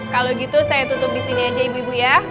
kalau gitu saya tutup di sini aja ibu ibu ya